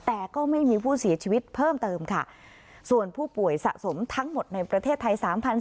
แต่ก็ไม่มีผู้เสียชีวิตเพิ่มเติมค่ะส่วนผู้ป่วยสะสมทั้งหมดในประเทศไทย